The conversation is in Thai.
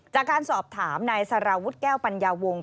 จากการสอบถามนายสารวุฒิแก้วปัญญาวงศ